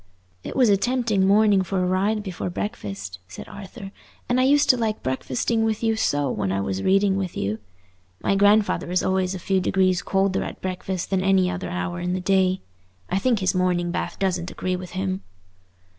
"It was a tempting morning for a ride before breakfast," said Arthur; "and I used to like breakfasting with you so when I was reading with you. My grandfather is always a few degrees colder at breakfast than at any other hour in the day. I think his morning bath doesn't agree with him."